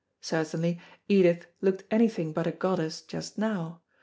Certainly Edith looked anything but a goddess just now.